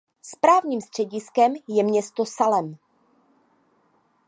Správním střediskem je město Salem.